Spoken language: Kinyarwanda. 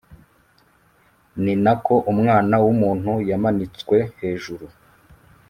” ni nako Umwana w’Umuntu yamanitswe hejuru